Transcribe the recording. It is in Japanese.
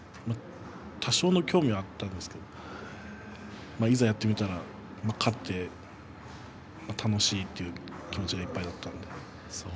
多少の興味はあったんですけどいざやってみたら勝って楽しいという気持ちが出てきたので。